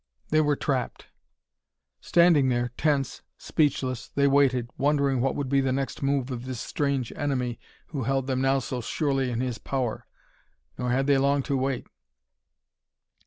They were trapped! Standing there tense, speechless, they waited, wondering what would be the next move of this strange enemy who held them now so surely in his power. Nor had they long to wait.